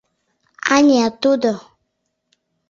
— Ане, Тудо...